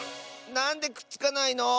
なんでくっつかないの？